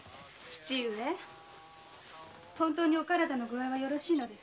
父上本当にお体の具合はよろしいのですか？